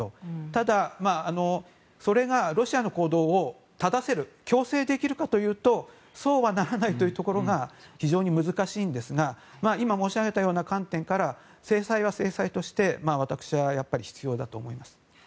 ただ、それがロシアの行動を正せるか矯正できるかというとそうはならないというところが非常に難しいんですが今申し上げたような観点から制裁は制裁として私はやっぱり必要だと思います。